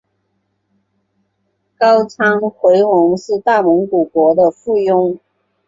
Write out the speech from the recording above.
高昌回鹘是大蒙古国的附庸。